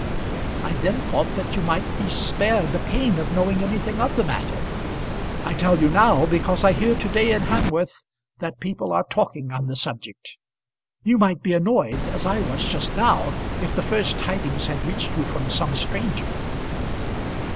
"I then thought that you might be spared the pain of knowing anything of the matter. I tell you now because I hear to day in Hamworth that people are talking on the subject. You might be annoyed, as I was just now, if the first tidings had reached you from some stranger."